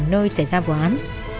nơi xảy ra vụ án